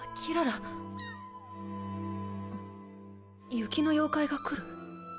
ん雪の妖怪が来る？